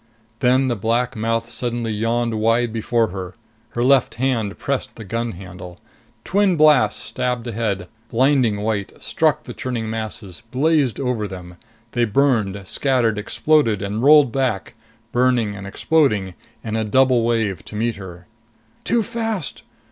Then the black mouth suddenly yawned wide before her. Her left hand pressed the gun handle. Twin blasts stabbed ahead, blinding white, struck the churning masses, blazed over them. They burned, scattered, exploded, and rolled back, burning and exploding, in a double wave to meet her. "Too fast!"